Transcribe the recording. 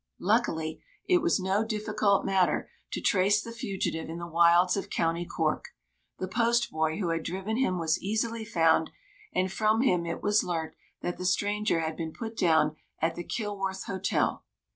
Luckily, it was no difficult matter to trace the fugitive in the wilds of County Cork. The postboy who had driven him was easily found, and from him it was learnt that the stranger had been put down at the Kilworth Hotel.